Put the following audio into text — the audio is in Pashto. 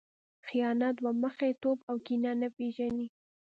خیانت، دوه مخی توب او کینه نه پېژني.